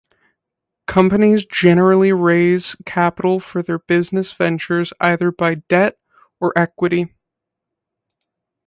Companies generally raise capital for their business ventures either by debt or equity.